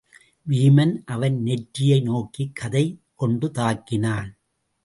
வீமன் அவன் நெற்றியை நோக்கிக் கதை கொண்டு தாக்கினான்.